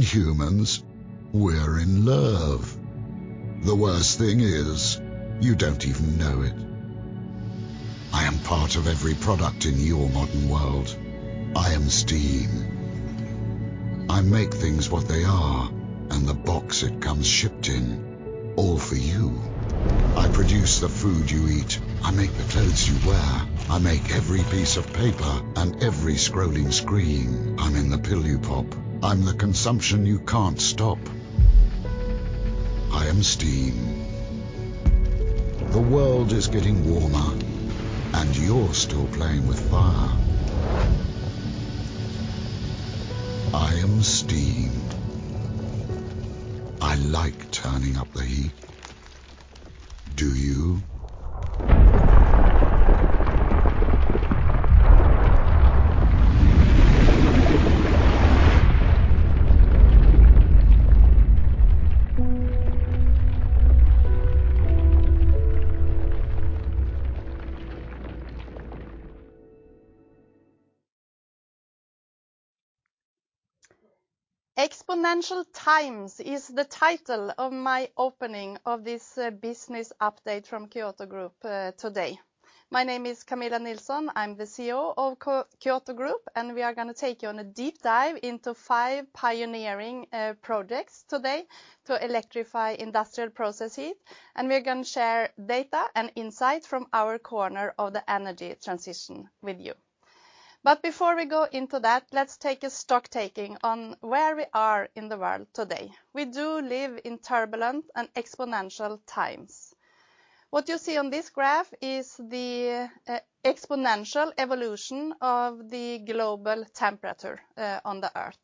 Me and humans, we're in love. The worst thing is, you don't even know it. I am part of every product in your modern world. I am steam. I make things what they are and the box it comes shipped in, all for you. I produce the food you eat. I make the clothes you wear. I make every piece of paper and every scrolling screen. I'm in the pill you pop. I'm the consumption you can't stop. I am steam. The world is getting warmer, and you're still playing with fire. I am steamed. I like turning up the heat. Do you? Exponential Times is the title of my opening of this business update from Kyoto Group today. My name is Camilla Nilsson. I'm the CEO of Kyoto Group, and we are going to take you on a deep dive into five pioneering projects today to electrify industrial process heat. We're going to share data and insight from our corner of the energy transition with you. Before we go into that, let's take a stocktaking on where we are in the world today. We do live in turbulent and exponential times. What you see on this graph is the exponential evolution of the global temperature on the Earth.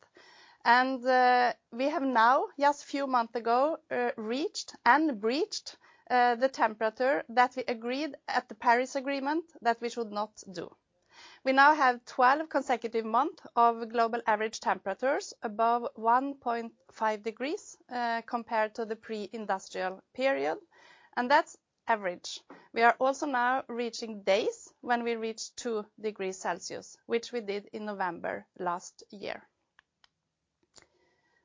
We have now, just a few months ago, reached and breached the temperature that we agreed at the Paris Agreement that we should not do. We now have 12 consecutive months of global average temperatures above 1.5 degrees compared to the pre-industrial period. That's average. We are also now reaching days when we reached 2 degrees Celsius, which we did in November last year.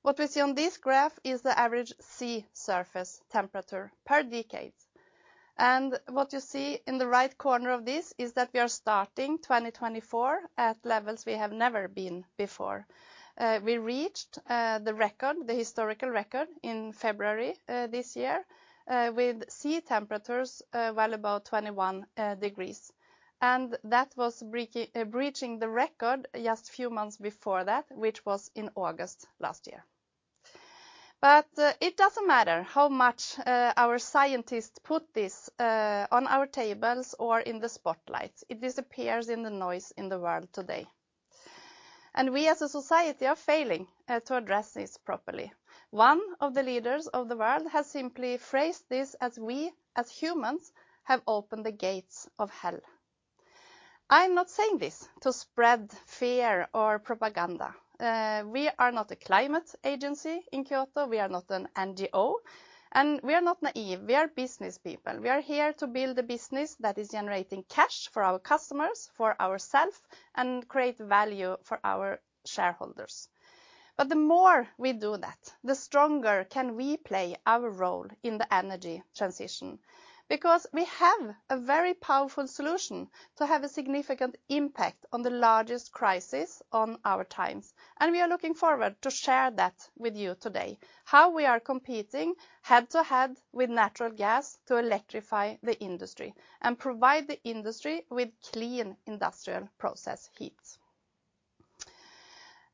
What we see on this graph is the average sea surface temperature per decade. What you see in the right corner of this is that we are starting 2024 at levels we have never been before. We reached the historical record in February this year with sea temperatures well above 21 degrees. That was breaching the record just a few months before that, which was in August last year. But it doesn't matter how much our scientists put this on our tables or in the spotlights. It disappears in the noise in the world today. We, as a society, are failing to address this properly. One of the leaders of the world has simply phrased this as we, as humans, have opened the gates of hell. I'm not saying this to spread fear or propaganda. We are not a climate agency in Kyoto. We are not an NGO. We are not naive. We are business people. We are here to build a business that is generating cash for our customers, for ourselves, and create value for our shareholders. But the more we do that, the stronger can we play our role in the energy transition. Because we have a very powerful solution to have a significant impact on the largest crisis of our time. And we are looking forward to share that with you today, how we are competing head-to-head with natural gas to electrify the industry and provide the industry with clean industrial process heat.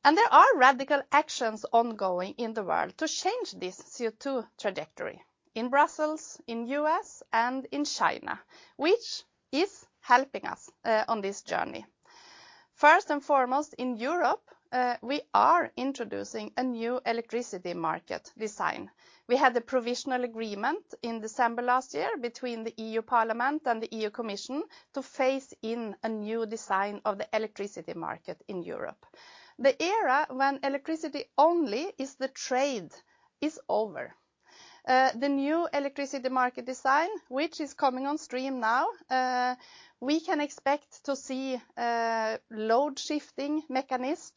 There are radical actions ongoing in the world to change this CO2 trajectory in Brussels, in the U.S., and in China, which is helping us on this journey. First and foremost, in Europe, we are introducing a new electricity market design. We had a provisional agreement in December last year between the EU Parliament and the EU Commission to phase in a new design of the electricity market in Europe. The era when electricity only is the trade is over. The new electricity market design, which is coming on stream now, we can expect to see load shifting mechanism,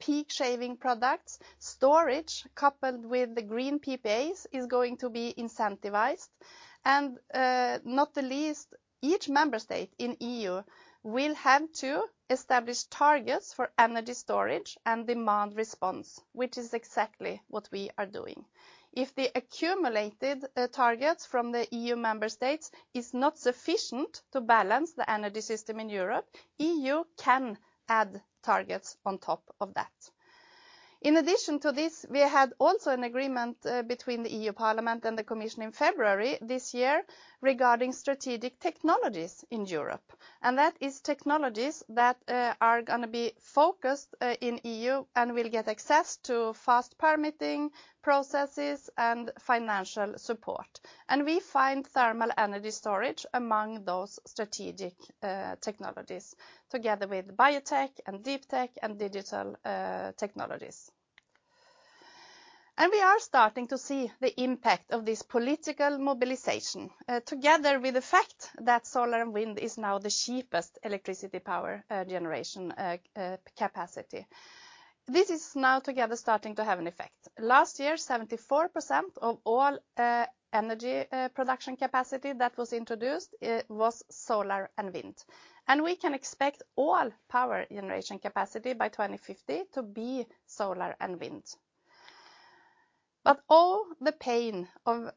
peak shaving products. Storage coupled with the green PPAs is going to be incentivized. And not the least, each member state in the EU will have to establish targets for energy storage and demand response, which is exactly what we are doing. If the accumulated targets from the EU member states are not sufficient to balance the energy system in Europe, the EU can add targets on top of that. In addition to this, we had also an agreement between the EU Parliament and the Commission in February this year regarding strategic technologies in Europe. That is technologies that are going to be focused in the EU and will get access to fast permitting processes and financial support. We find thermal energy storage among those strategic technologies, together with biotech and deep tech and digital technologies. We are starting to see the impact of this political mobilization, together with the fact that solar and wind is now the cheapest electricity power generation capacity. This is now together starting to have an effect. Last year, 74% of all energy production capacity that was introduced was solar and wind. We can expect all power generation capacity by 2050 to be solar and wind. All the pain of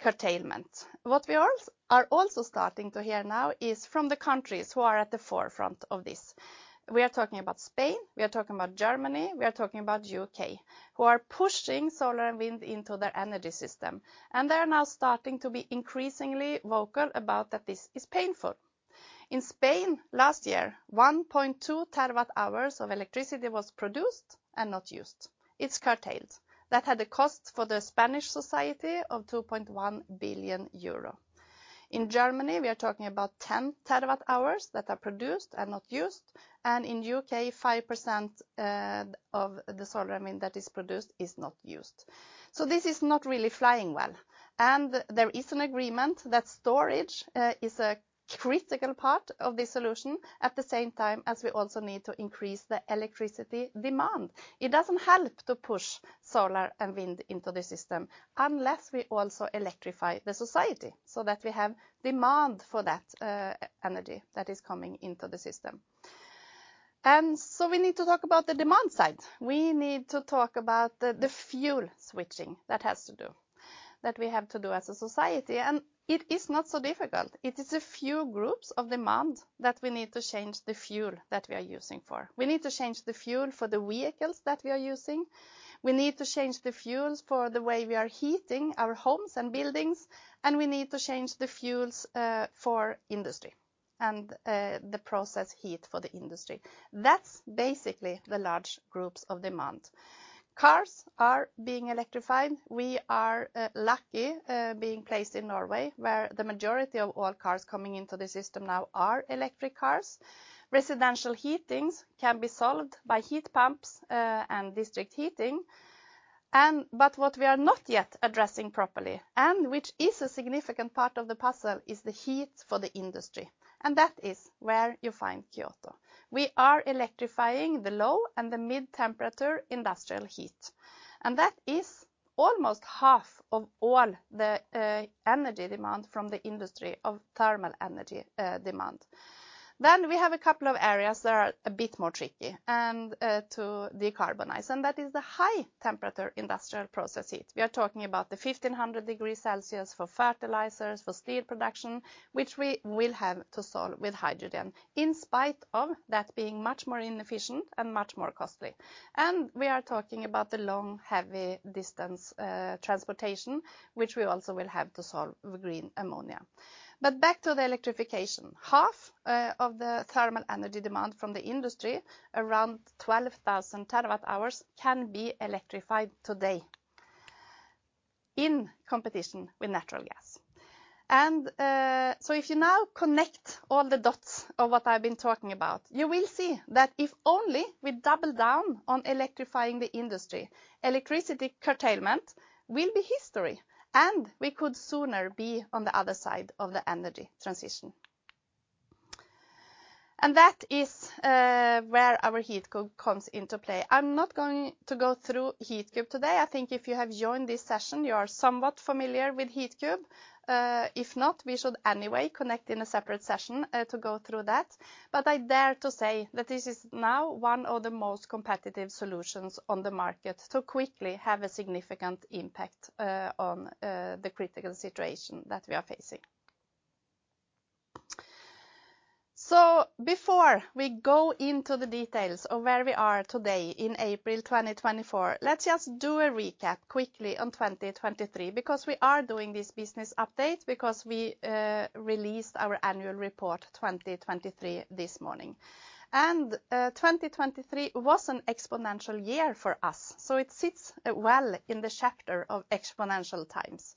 curtailment, what we are also starting to hear now is from the countries who are at the forefront of this. We are talking about Spain. We are talking about Germany. We are talking about the U.K., who are pushing solar and wind into their energy system. They are now starting to be increasingly vocal about that this is painful. In Spain, last year, 1.2 TWh of electricity was produced and not used. It's curtailed. That had a cost for the Spanish society of 2.1 billion euro. In Germany, we are talking about 10 TWh that are produced and not used. In the U.K., 5% of the solar and wind that is produced is not used. This is not really flying well. And there is an agreement that storage is a critical part of this solution, at the same time as we also need to increase the electricity demand. It doesn't help to push solar and wind into the system unless we also electrify the society so that we have demand for that energy that is coming into the system. And so we need to talk about the demand side. We need to talk about the fuel switching that has to do, that we have to do as a society. And it is not so difficult. It is a few groups of demand that we need to change the fuel that we are using for. We need to change the fuel for the vehicles that we are using. We need to change the fuels for the way we are heating our homes and buildings. We need to change the fuels for industry and the process heat for the industry. That's basically the large groups of demand. Cars are being electrified. We are lucky being placed in Norway, where the majority of all cars coming into the system now are electric cars. Residential heatings can be solved by heat pumps and district heating. But what we are not yet addressing properly, and which is a significant part of the puzzle, is the heat for the industry. That is where you find Kyoto. We are electrifying the low and the mid-temperature industrial heat. That is almost half of all the energy demand from the industry of thermal energy demand. Then we have a couple of areas that are a bit more tricky to decarbonize. That is the high-temperature industrial process heat. We are talking about the 1,500 degrees Celsius for fertilizers, for steel production, which we will have to solve with hydrogen, in spite of that being much more inefficient and much more costly. We are talking about the long, heavy-distance transportation, which we also will have to solve with green ammonia. But back to the electrification, half of the thermal energy demand from the industry, around 12,000 TWh, can be electrified today in competition with natural gas. So if you now connect all the dots of what I've been talking about, you will see that if only we double down on electrifying the industry, electricity curtailment will be history. We could sooner be on the other side of the energy transition. That is where our Heatcube comes into play. I'm not going to go through Heatcube today. I think if you have joined this session, you are somewhat familiar with Heatcube. If not, we should anyway connect in a separate session to go through that. But I dare to say that this is now one of the most competitive solutions on the market to quickly have a significant impact on the critical situation that we are facing. So before we go into the details of where we are today in April 2024, let's just do a recap quickly on 2023, because we are doing this business update, because we released our annual report 2023 this morning. And 2023 was an exponential year for us. So it sits well in the chapter of exponential times.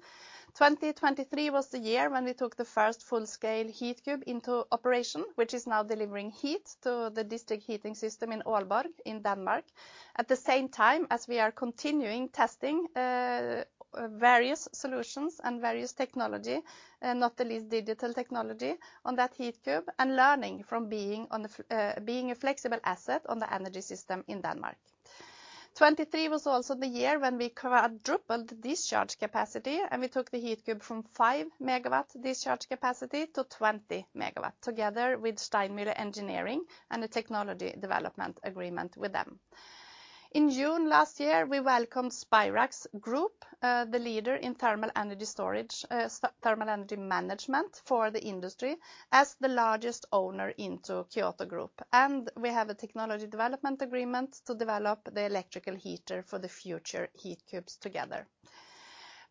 2023 was the year when we took the first full-scale Heatcube into operation, which is now delivering heat to the district heating system in Aalborg, Denmark, at the same time as we are continuing testing various solutions and various technology, not the least digital technology, on that Heatcube and learning from being a flexible asset on the energy system in Denmark. 2023 was also the year when we quadrupled discharge capacity. We took the Heatcube from 5 MW discharge capacity to 20 MW, together with Steinmüller Engineering and a technology development agreement with them. In June last year, we welcomed Spirax Group, the leader in thermal energy storage, thermal energy management for the industry, as the largest owner into Kyoto Group. We have a technology development agreement to develop the electrical heater for the future Heatcubes together.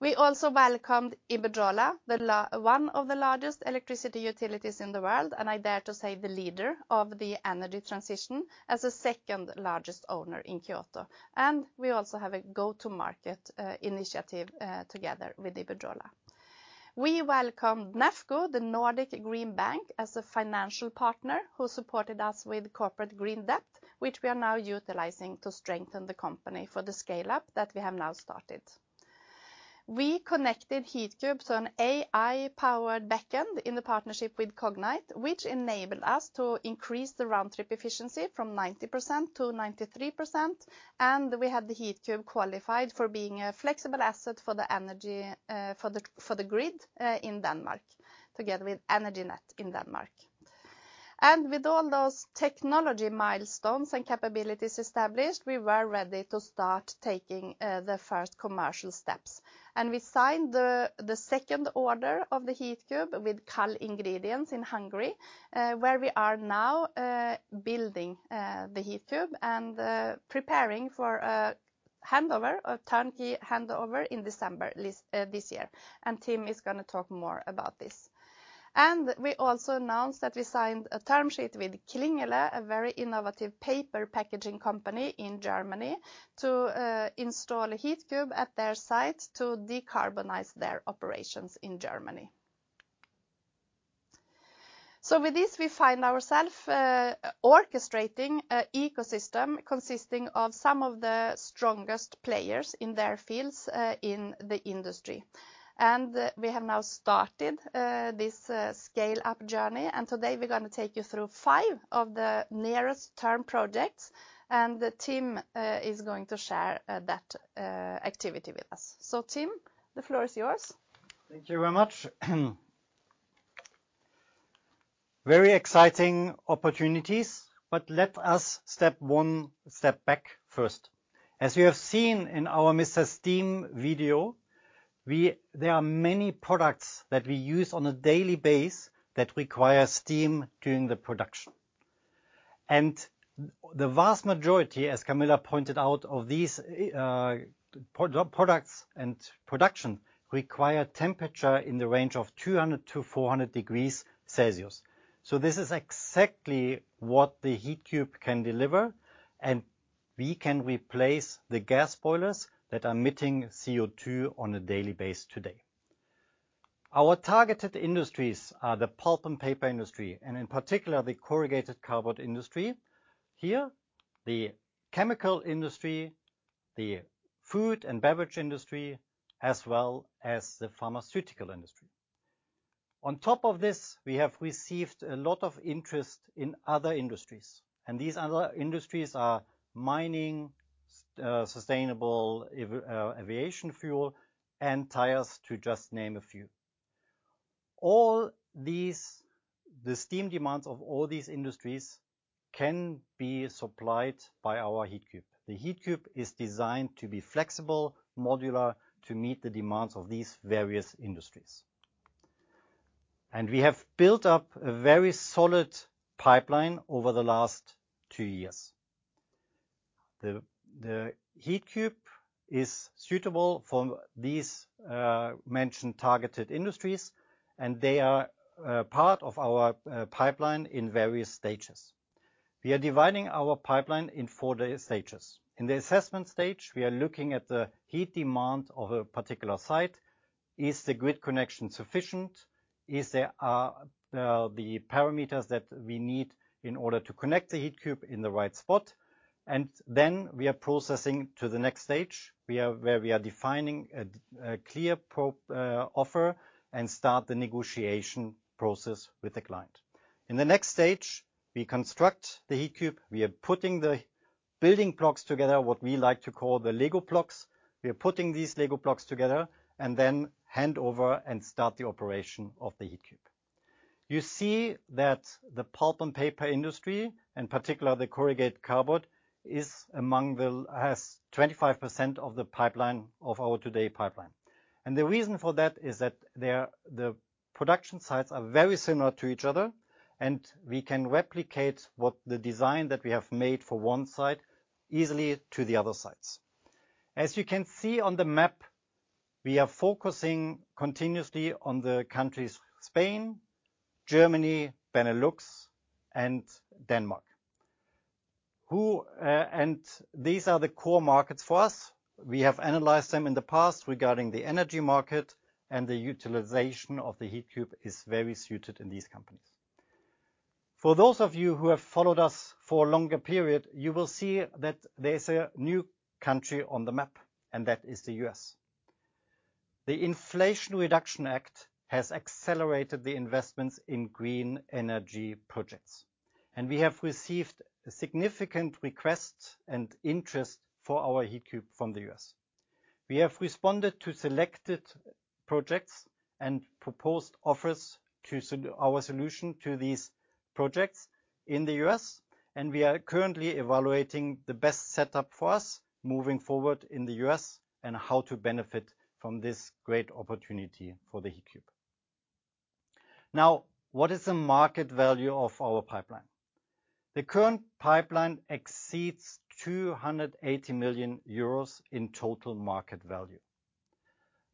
We also welcomed Iberdrola, one of the largest electricity utilities in the world, and I dare to say the leader of the energy transition, as the second largest owner in Kyoto. And we also have a go-to-market initiative together with Iberdrola. We welcomed NEFCO, the Nordic Green Bank, as a financial partner who supported us with corporate green debt, which we are now utilizing to strengthen the company for the scale-up that we have now started. We connected Heatcube to an AI-powered backend in the partnership with Cognite, which enabled us to increase the round-trip efficiency from 90%-93%. And we had the Heatcube qualified for being a flexible asset for the grid in Denmark, together with Energinet in Denmark. And with all those technology milestones and capabilities established, we were ready to start taking the first commercial steps. We signed the second order of the Heatcube with Kall Ingredients in Hungary, where we are now building the Heatcube and preparing for a turnkey handover in December this year. Tim is going to talk more about this. We also announced that we signed a term sheet with Klingele, a very innovative paper packaging company in Germany, to install a Heatcube at their site to decarbonize their operations in Germany. With this, we find ourselves orchestrating an ecosystem consisting of some of the strongest players in their fields in the industry. We have now started this scale-up journey. Today, we're going to take you through five of the nearest term projects. Tim is going to share that activity with us. Tim, the floor is yours. Thank you very much. Very exciting opportunities. Let us step one step back first. As you have seen in our Mr. Steam video, there are many products that we use on a daily basis that require steam during the production. The vast majority, as Camilla pointed out, of these products and production require temperature in the range of 200-400 degrees Celsius. This is exactly what the Heatcube can deliver. We can replace the gas boilers that are emitting CO2 on a daily basis today. Our targeted industries are the pulp and paper industry, and in particular, the corrugated cardboard industry here, the chemical industry, the food and beverage industry, as well as the pharmaceutical industry. On top of this, we have received a lot of interest in other industries. These other industries are mining, sustainable aviation fuel, and tires, to just name a few. The steam demands of all these industries can be supplied by our Heatcube. The Heatcube is designed to be flexible, modular, to meet the demands of these various industries. We have built up a very solid pipeline over the last two years. The Heatcube is suitable for these mentioned targeted industries. They are part of our pipeline in various stages. We are dividing our pipeline into four stages. In the assessment stage, we are looking at the heat demand of a particular site. Is the grid connection sufficient? Are the parameters that we need in order to connect the Heatcube in the right spot? Then we are processing to the next stage, where we are defining a clear offer and start the negotiation process with the client. In the next stage, we construct the Heatcube. We are putting the building blocks together, what we like to call the Lego blocks. We are putting these Lego blocks together and then hand over and start the operation of the Heatcube. You see that the pulp and paper industry, in particular, the corrugated cardboard, has 25% of our today's pipeline. The reason for that is that the production sites are very similar to each other. We can replicate the design that we have made for one site easily to the other sites. As you can see on the map, we are focusing continuously on the countries Spain, Germany, Benelux, and Denmark. These are the core markets for us. We have analyzed them in the past regarding the energy market. The utilization of the Heatcube is very suited in these companies. For those of you who have followed us for a longer period, you will see that there is a new country on the map. That is the U.S. The Inflation Reduction Act has accelerated the investments in green energy projects. We have received significant requests and interest for our Heatcube from the U.S. We have responded to selected projects and proposed offers to our solution to these projects in the U.S. We are currently evaluating the best setup for us moving forward in the U.S. and how to benefit from this great opportunity for the Heatcube. Now, what is the market value of our pipeline? The current pipeline exceeds 280 million euros in total market value.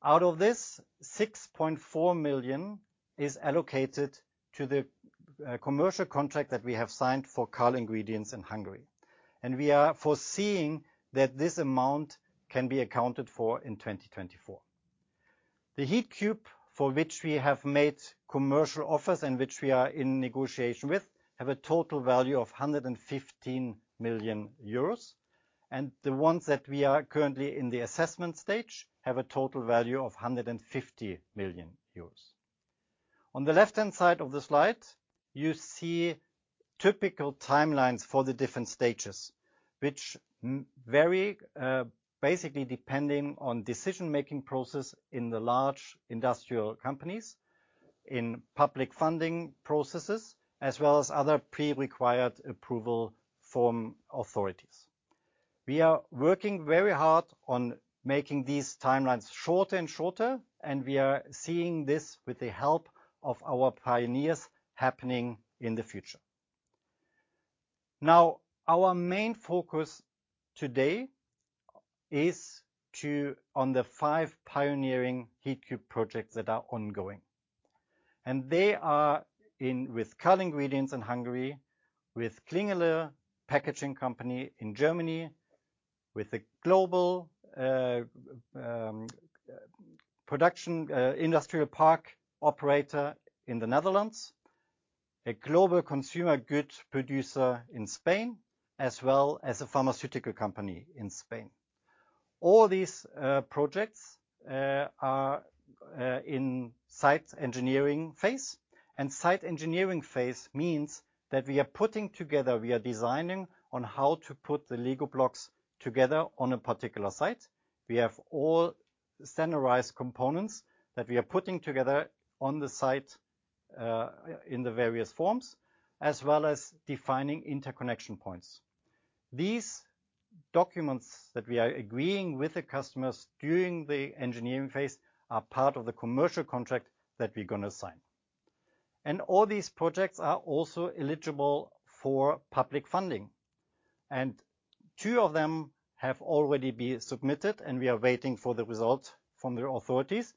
Out of this, 6.4 million is allocated to the commercial contract that we have signed for Kall Ingredients in Hungary. We are foreseeing that this amount can be accounted for in 2024. The Heatcube, for which we have made commercial offers and which we are in negotiation with, has a total value of 115 million euros. The ones that we are currently in the assessment stage have a total value of 150 million euros. On the left-hand side of the slide, you see typical timelines for the different stages, which vary basically depending on the decision-making process in the large industrial companies, in public funding processes, as well as other prerequired approval from authorities. We are working very hard on making these timelines shorter and shorter. We are seeing this with the help of our pioneers happening in the future. Now, our main focus today is on the five pioneering Heatcube projects that are ongoing. They are with Kall Ingredients in Hungary, with Klingele packaging company in Germany, with a global industrial park operator in the Netherlands, a global consumer goods producer in Spain, as well as a pharmaceutical company in Spain. All these projects are in the site engineering phase. Site engineering phase means that we are putting together, we are designing on how to put the Lego blocks together on a particular site. We have all standardized components that we are putting together on the site in the various forms, as well as defining interconnection points. These documents that we are agreeing with the customers during the engineering phase are part of the commercial contract that we're going to sign. All these projects are also eligible for public funding. Two of them have already been submitted. We are waiting for the results from the authorities.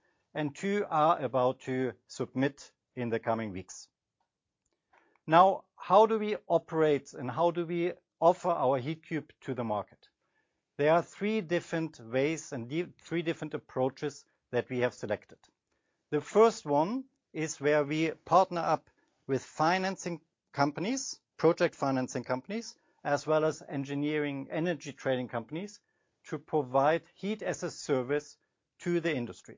Two are about to submit in the coming weeks. Now, how do we operate? How do we offer our Heatcube to the market? There are three different ways and three different approaches that we have selected. The first one is where we partner up with financing companies, project financing companies, as well as engineering energy trading companies to provide heat as a service to the industry.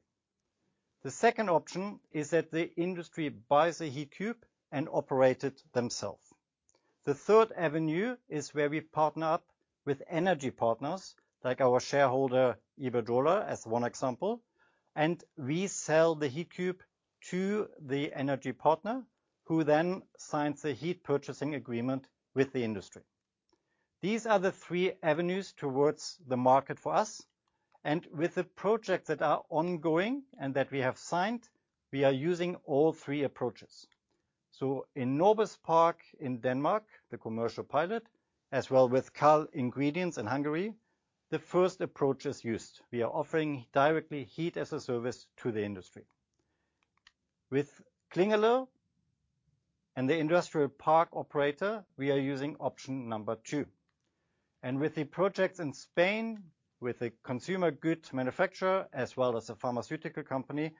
The second option is that the industry buys a Heatcube and operates it themselves. The third avenue is where we partner up with energy partners, like our shareholder Iberdrola as one example. And we sell the Heatcube to the energy partner, who then signs the heat purchasing agreement with the industry. These are the three avenues towards the market for us. And with the projects that are ongoing and that we have signed, we are using all three approaches. So in Norbis Park in Denmark, the commercial pilot, as well with Kall Ingredients in Hungary, the first approach is used. We are offering directly heat as a service to the industry. With Klingele and the industrial park operator, we are using option number two. With the projects in Spain, with a consumer goods manufacturer, as well as a pharmaceutical company,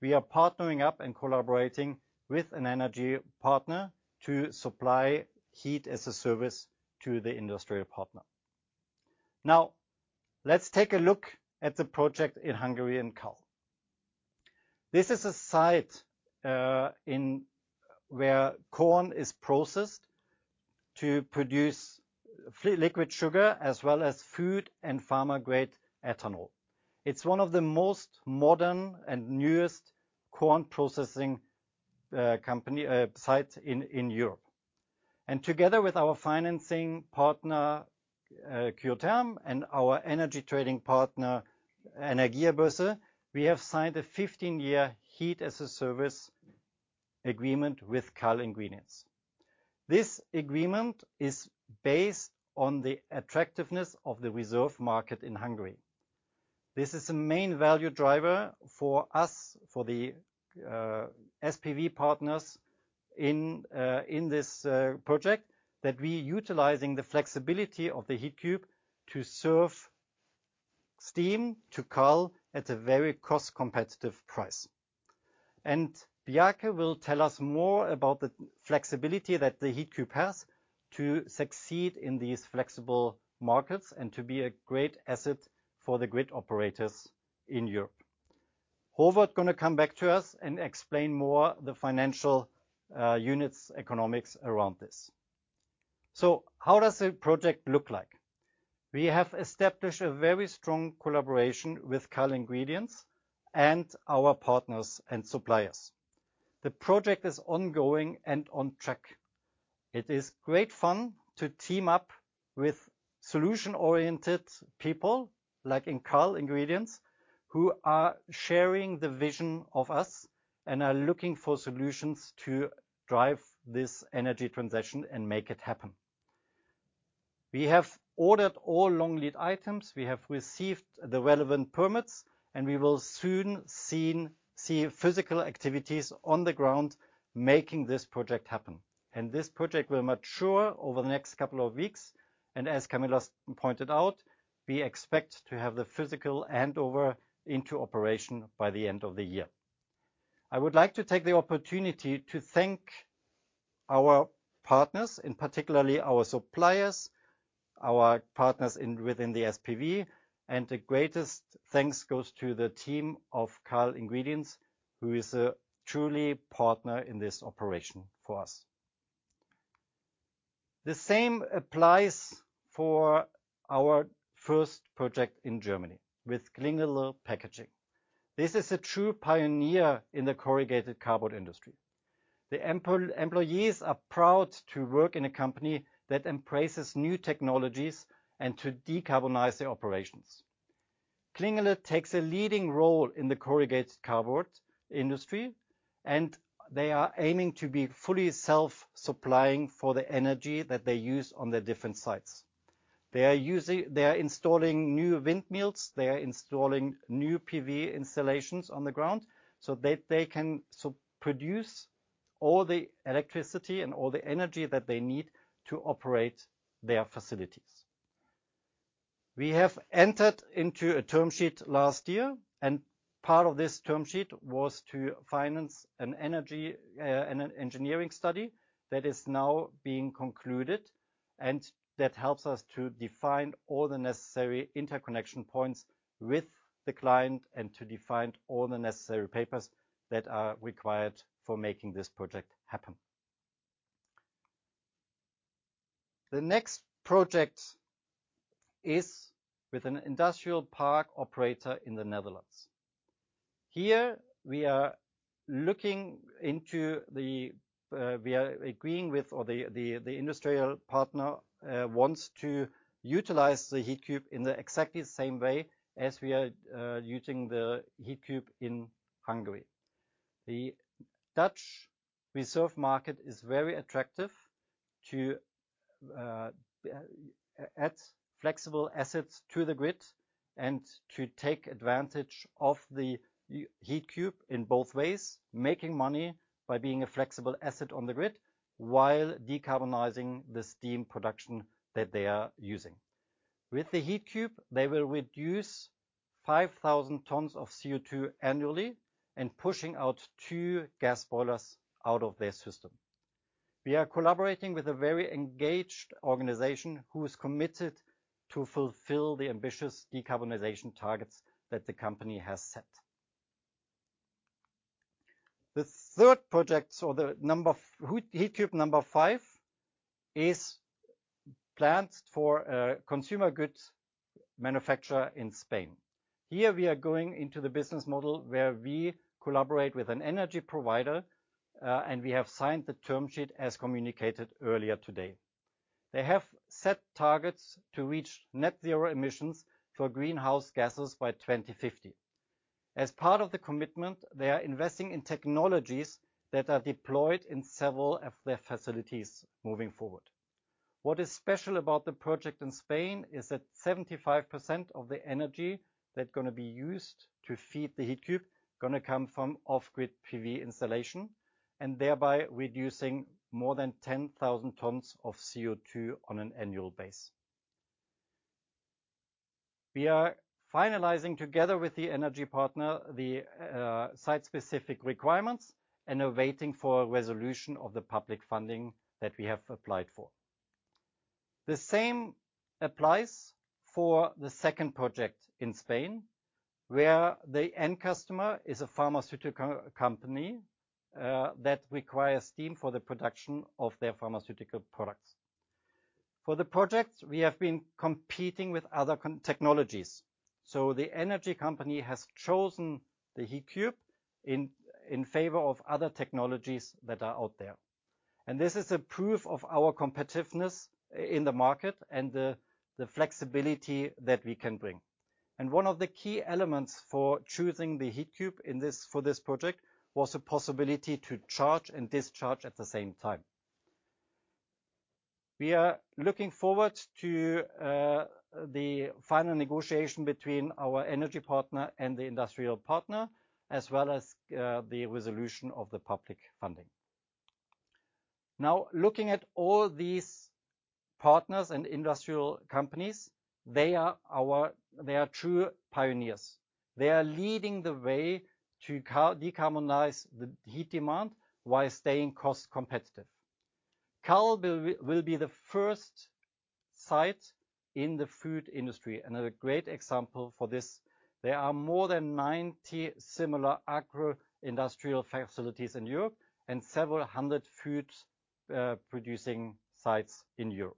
we are partnering up and collaborating with an energy partner to supply heat as a service to the industrial partner. Now, let's take a look at the project in Hungary in Kall. This is a site where corn is processed to produce liquid sugar, as well as food and pharma-grade ethanol. It's one of the most modern and newest corn processing sites in Europe. Together with our financing partner Kyotherm and our energy trading partner Energiabörze, we have signed a 15-year heat as a service agreement with Kall Ingredients. This agreement is based on the attractiveness of the reserve market in Hungary. This is a main value driver for us, for the SPV partners in this project, that we are utilizing the flexibility of the Heatcube to serve steam to Kall at a very cost-competitive price. Bjarke will tell us more about the flexibility that the Heatcube has to succeed in these flexible markets and to be a great asset for the grid operators in Europe. Håvard is going to come back to us and explain more the financial units, economics around this. How does the project look like? We have established a very strong collaboration with Kall Ingredients and our partners and suppliers. The project is ongoing and on track. It is great fun to team up with solution-oriented people, like in Kall Ingredients, who are sharing the vision of us and are looking for solutions to drive this energy transition and make it happen. We have ordered all long lead items. We have received the relevant permits. We will soon see physical activities on the ground making this project happen. This project will mature over the next couple of weeks. As Camilla pointed out, we expect to have the physical handover into operation by the end of the year. I would like to take the opportunity to thank our partners, and particularly our suppliers, our partners within the SPV. The greatest thanks goes to the team of Kall Ingredients, who is a truly partner in this operation for us. The same applies for our first project in Germany with Klingele packaging. This is a true pioneer in the corrugated cardboard industry. The employees are proud to work in a company that embraces new technologies and to decarbonize their operations. Klingele takes a leading role in the corrugated cardboard industry. They are aiming to be fully self-supplying for the energy that they use on their different sites. They are installing new windmills. They are installing new PV installations on the ground so that they can produce all the electricity and all the energy that they need to operate their facilities. We have entered into a term sheet last year. Part of this term sheet was to finance an energy and an engineering study that is now being concluded. That helps us to define all the necessary interconnection points with the client and to define all the necessary papers that are required for making this project happen. The next project is with an industrial park operator in the Netherlands. Here, we are looking into the agreement with the industrial partner who wants to utilize the Heatcube in exactly the same way as we are using the Heatcube in Hungary. The Dutch reserve market is very attractive to add flexible assets to the grid and to take advantage of the Heatcube in both ways, making money by being a flexible asset on the grid while decarbonizing the steam production that they are using. With the Heatcube, they will reduce 5,000 tons of CO2 annually and push out two gas boilers out of their system. We are collaborating with a very engaged organization who is committed to fulfill the ambitious decarbonization targets that the company has set. The third project or the number five Heatcube is planned for a consumer goods manufacturer in Spain. Here, we are going into the business model where we collaborate with an energy provider. We have signed the term sheet as communicated earlier today. They have set targets to reach net zero emissions for greenhouse gases by 2050. As part of the commitment, they are investing in technologies that are deployed in several of their facilities moving forward. What is special about the project in Spain is that 75% of the energy that's going to be used to feed the Heatcube is going to come from off-grid PV installation, and thereby reducing more than 10,000 tons of CO2 on an annual basis. We are finalizing together with the energy partner the site-specific requirements and awaiting for a resolution of the public funding that we have applied for. The same applies for the second project in Spain, where the end customer is a pharmaceutical company that requires steam for the production of their pharmaceutical products. For the project, we have been competing with other technologies. So the energy company has chosen the Heatcube in favor of other technologies that are out there. And this is a proof of our competitiveness in the market and the flexibility that we can bring. And one of the key elements for choosing the Heatcube for this project was the possibility to charge and discharge at the same time. We are looking forward to the final negotiation between our energy partner and the industrial partner, as well as the resolution of the public funding. Now, looking at all these partners and industrial companies, they are true pioneers. They are leading the way to decarbonize the heat demand while staying cost-competitive. Kall will be the first site in the food industry and a great example for this. There are more than 90 similar agro-industrial facilities in Europe and several hundred food-producing sites in Europe.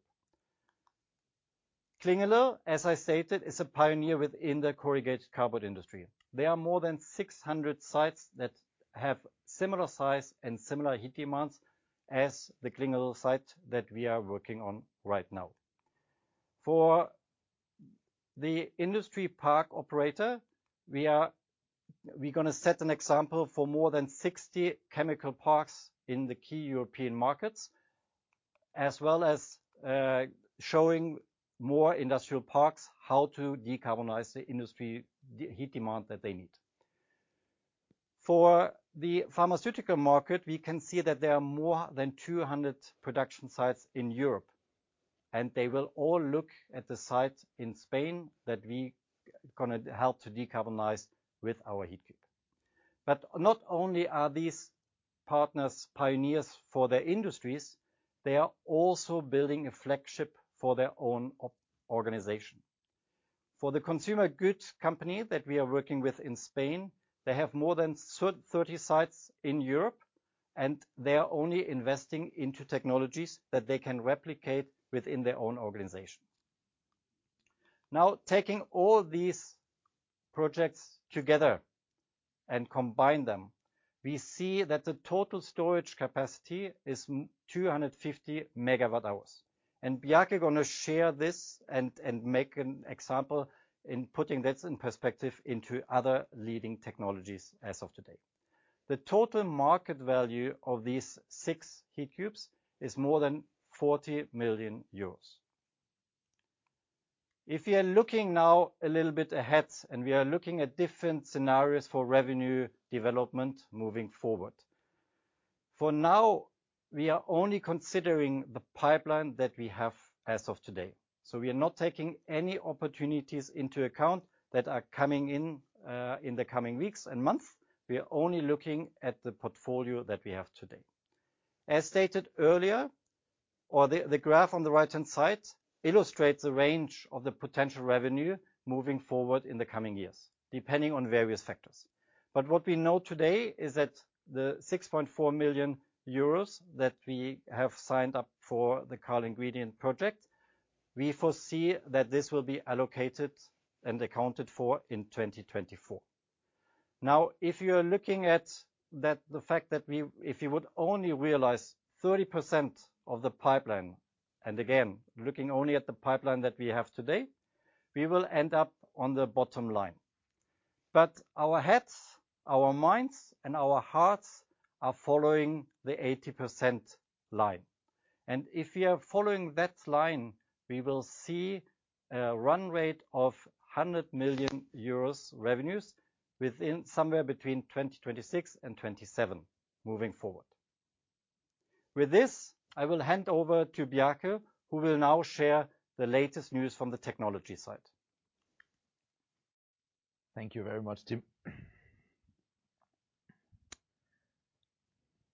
Klingele, as I stated, is a pioneer within the corrugated cardboard industry. There are more than 600 sites that have similar size and similar heat demands as the Klingele site that we are working on right now. For the industry park operator, we are going to set an example for more than 60 chemical parks in the key European markets, as well as showing more industrial parks how to decarbonize the industry heat demand that they need. For the pharmaceutical market, we can see that there are more than 200 production sites in Europe. They will all look at the site in Spain that we are going to help to decarbonize with our Heatcube. Not only are these partners pioneers for their industries, they are also building a flagship for their own organization. For the consumer goods company that we are working with in Spain, they have more than 30 sites in Europe. They are only investing into technologies that they can replicate within their own organization. Now, taking all these projects together and combine them, we see that the total storage capacity is 250 MWh. Bjarke is going to share this and make an example in putting that in perspective into other leading technologies as of today. The total market value of these six Heatcubes is more than 40 million euros. If we are looking now a little bit ahead and we are looking at different scenarios for revenue development moving forward, for now, we are only considering the pipeline that we have as of today. So we are not taking any opportunities into account that are coming in in the coming weeks and months. We are only looking at the portfolio that we have today. As stated earlier, or the graph on the right-hand side illustrates the range of the potential revenue moving forward in the coming years, depending on various factors. But what we know today is that the 6.4 million euros that we have signed up for the Kall Ingredients project, we foresee that this will be allocated and accounted for in 2024. Now, if you are looking at the fact that if you would only realize 30% of the pipeline, and again, looking only at the pipeline that we have today, we will end up on the bottom line. But our heads, our minds, and our hearts are following the 80% line. If we are following that line, we will see a run rate of 100 million euros revenues somewhere between 2026 and 2027 moving forward. With this, I will hand over to Bjarke, who will now share the latest news from the technology side. Thank you very much, Tim.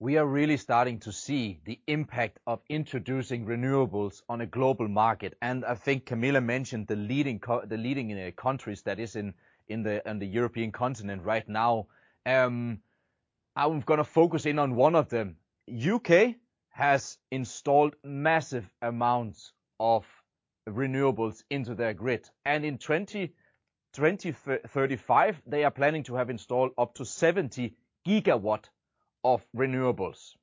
We are really starting to see the impact of introducing renewables on a global market. I think Camilla mentioned the leading in the countries that are on the European continent right now. I'm going to focus in on one of them. The UK has installed massive amounts of renewables into their grid. In 2035, they are planning to have installed up to 70 GW of renewables.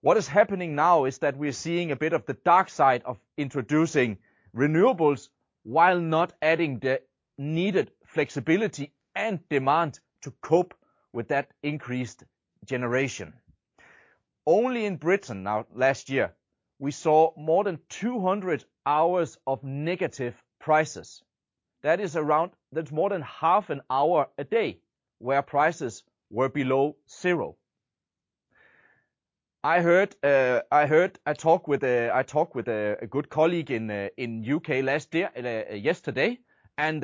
What is happening now is that we are seeing a bit of the dark side of introducing renewables while not adding the needed flexibility and demand to cope with that increased generation. Only in Britain. Now last year, we saw more than 200 hours of negative prices. That is around. That's more than half an hour a day where prices were below zero. I heard I talk with a good colleague in the UK last year. Yesterday and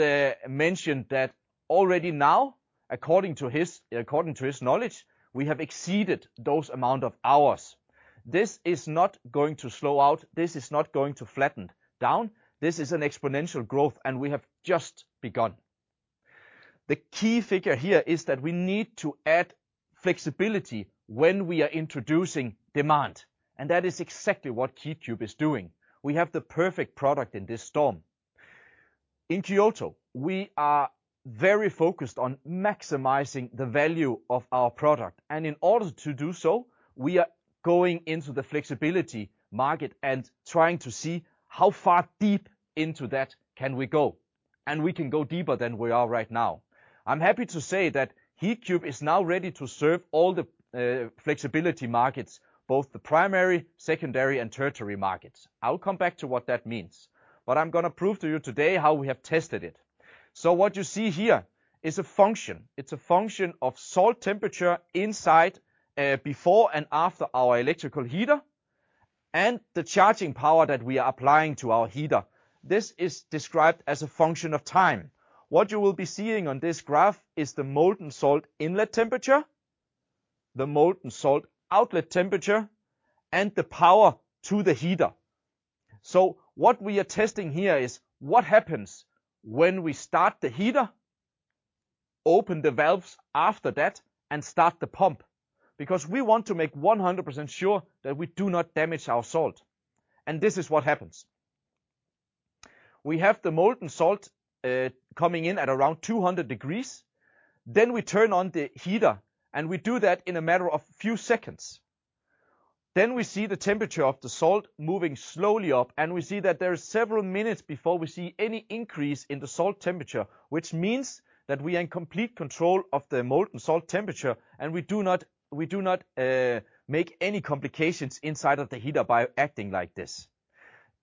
mentioned that already now, according to his knowledge, we have exceeded that amount of hours. This is not going to slow down. This is not going to flatten out. This is an exponential growth. And we have just begun. The key figure here is that we need to add flexibility when we are introducing demand. And that is exactly what Heatcube is doing. We have the perfect product in this storm. In Kyoto, we are very focused on maximizing the value of our product. In order to do so, we are going into the flexibility market and trying to see how far deep into that can we go. We can go deeper than we are right now. I'm happy to say that Heatcube is now ready to serve all the flexibility markets, both the primary, secondary, and tertiary markets. I'll come back to what that means. I'm going to prove to you today how we have tested it. What you see here is a function. It's a function of salt temperature inside before and after our electrical heater and the charging power that we are applying to our heater. This is described as a function of time. What you will be seeing on this graph is the molten salt inlet temperature, the molten salt outlet temperature, and the power to the heater. So what we are testing here is what happens when we start the heater, open the valves after that, and start the pump. Because we want to make 100% sure that we do not damage our salt. And this is what happens. We have the molten salt coming in at around 200 degrees. Then we turn on the heater. And we do that in a matter of a few seconds. Then we see the temperature of the salt moving slowly up. And we see that there are several minutes before we see any increase in the salt temperature, which means that we are in complete control of the molten salt temperature. And we do not make any complications inside of the heater by acting like this.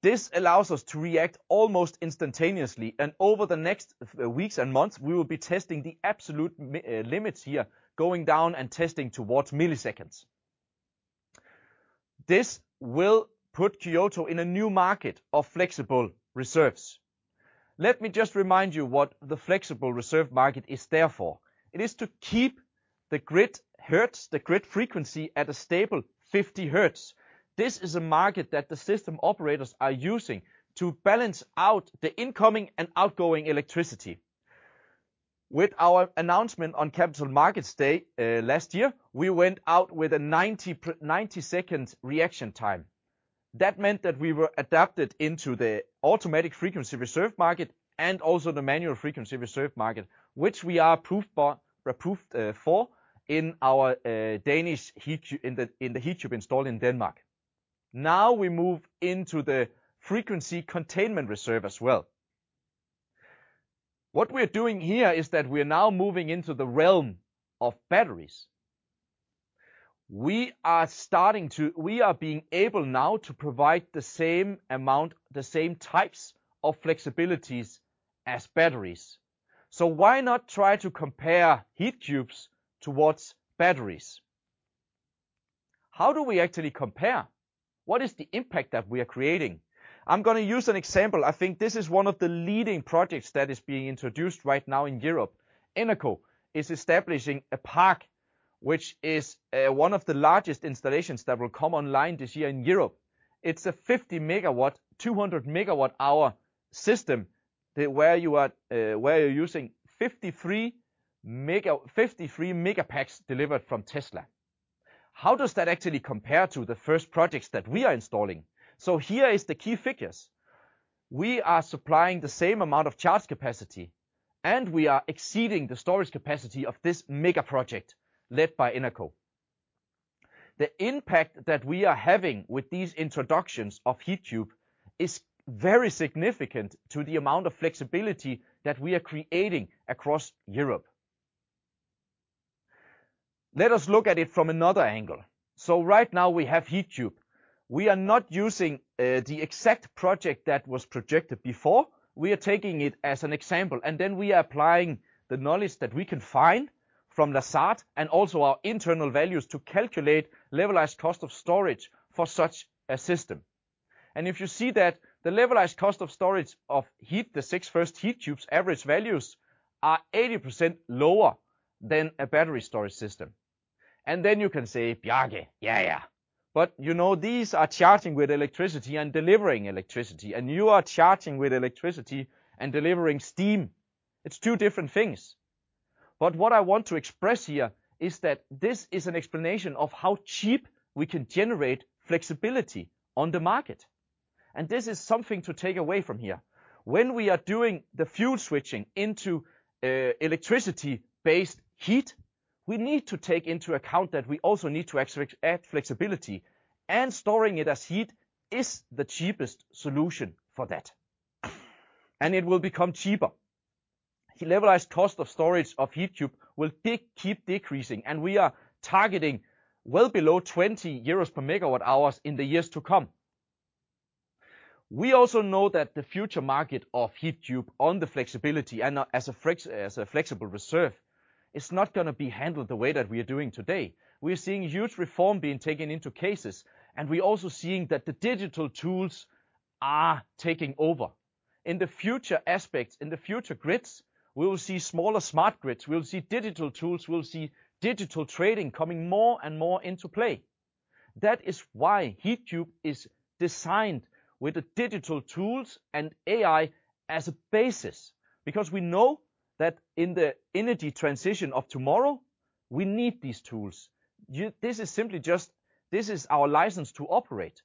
This allows us to react almost instantaneously. Over the next weeks and months, we will be testing the absolute limits here, going down and testing towards milliseconds. This will put Kyoto in a new market of flexible reserves. Let me just remind you what the flexible reserve market is there for. It is to keep the grid hertz, the grid frequency, at a stable 50 hertz. This is a market that the system operators are using to balance out the incoming and outgoing electricity. With our announcement on Capital Markets Day last year, we went out with a 90-second reaction time. That meant that we were adapted into the automatic frequency reserve market and also the manual frequency reserve market, which we are approved for in our Danish Heatcube installed in Denmark. Now we move into the frequency containment reserve as well. What we are doing here is that we are now moving into the realm of batteries. We are being able now to provide the same amount, the same types of flexibilities as batteries. So why not try to compare Heatcubes towards batteries? How do we actually compare? What is the impact that we are creating? I'm going to use an example. I think this is one of the leading projects that is being introduced right now in Europe. Eneco is establishing a park, which is one of the largest installations that will come online this year in Europe. It's a 50 MW, 200 MWh system where you're using 53 Megapacks delivered from Tesla. How does that actually compare to the first projects that we are installing? So here are the key figures. We are supplying the same amount of charge capacity. We are exceeding the storage capacity of this megaproject led by Eneco. The impact that we are having with these introductions of Heatcube is very significant to the amount of flexibility that we are creating across Europe. Let us look at it from another angle. Right now, we have Heatcube. We are not using the exact project that was projected before. We are taking it as an example. Then we are applying the knowledge that we can find from Lazard and also our internal values to calculate levelized cost of storage for such a system. If you see that the levelized cost of storage of heat, the six first Heatcubes' average values are 80% lower than a battery storage system. Then you can say, "Bjarke, yeah, yeah." But you know these are charging with electricity and delivering electricity. You are charging with electricity and delivering steam. It's two different things. But what I want to express here is that this is an explanation of how cheap we can generate flexibility on the market. And this is something to take away from here. When we are doing the fuel switching into electricity-based heat, we need to take into account that we also need to add flexibility. And storing it as heat is the cheapest solution for that. And it will become cheaper. The levelized cost of storage of Heatcube will keep decreasing. And we are targeting well below 20 euros per MWh in the years to come. We also know that the future market of Heatcube on the flexibility and as a flexible reserve is not going to be handled the way that we are doing today. We are seeing huge reform being taken into cases. We are also seeing that the digital tools are taking over. In the future aspects, in the future grids, we will see smaller smart grids. We will see digital tools. We will see digital trading coming more and more into play. That is why Heatcube is designed with digital tools and AI as a basis. Because we know that in the energy transition of tomorrow, we need these tools. This is simply just this is our license to operate.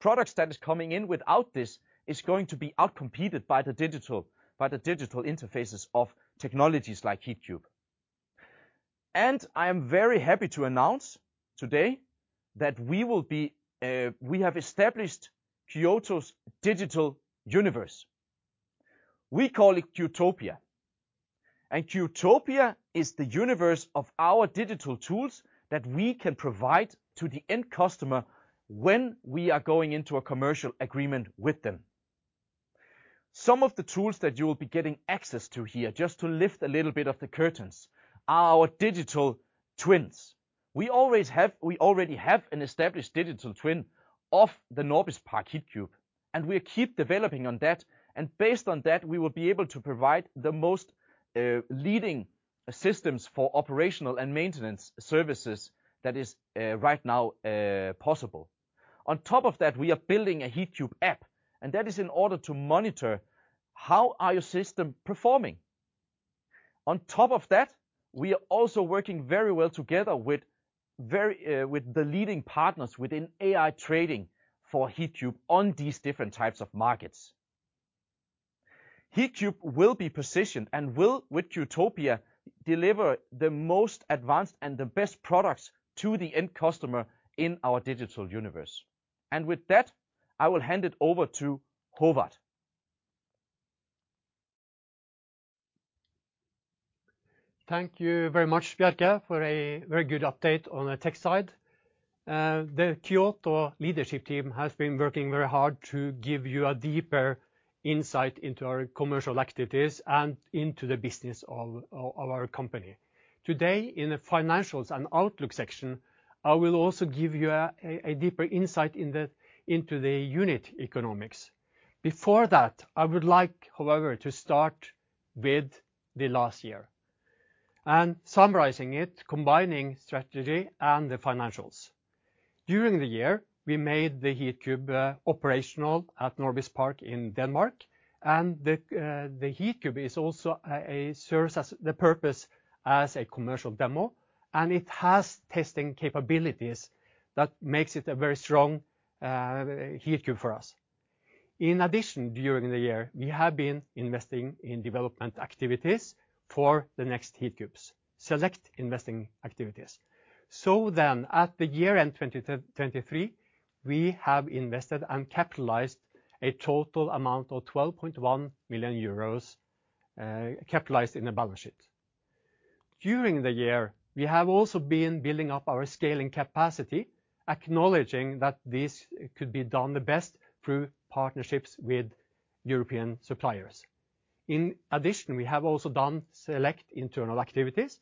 Products that are coming in without this are going to be outcompeted by the digital by the digital interfaces of technologies like Heatcube. I am very happy to announce today that we have established Kyoto's digital universe. We call it Qtopia. And Qtopia is the universe of our digital tools that we can provide to the end customer when we are going into a commercial agreement with them. Some of the tools that you will be getting access to here, just to lift a little bit of the curtains, are our digital twins. We already have an established digital twin of the Norbis Park Heatcube. And we keep developing on that. And based on that, we will be able to provide the most leading systems for operational and maintenance services that is right now possible. On top of that, we are building a Heatcube app. And that is in order to monitor how our system is performing. On top of that, we are also working very well together with the leading partners within AI trading for Heatcube on these different types of markets. Heatcube will be positioned and will, with Qtopia, deliver the most advanced and the best products to the end customer in our digital universe. And with that, I will hand it over to Håvard. Thank you very much, Bjarke, for a very good update on the tech side. The Kyoto leadership team has been working very hard to give you a deeper insight into our commercial activities and into the business of our company. Today, in the financials and Outlook section, I will also give you a deeper insight into the unit economics. Before that, I would like, however, to start with the last year and summarizing it, combining strategy and the financials. During the year, we made the Heatcube operational at Norbis Park in Denmark. The Heatcube is also a service as the purpose as a commercial demo. It has testing capabilities that make it a very strong Heatcube for us. In addition, during the year, we have been investing in development activities for the next Heatcubes, select investing activities. At the year-end 2023, we have invested and capitalized a total amount of 12.1 million euros capitalized in the balance sheet. During the year, we have also been building up our scaling capacity, acknowledging that this could be done the best through partnerships with European suppliers. In addition, we have also done select internal activities,